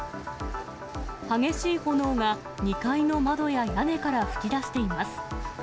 激しい炎が２階の窓や屋根から噴き出しています。